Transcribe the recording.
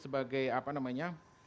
sebagai apa namanya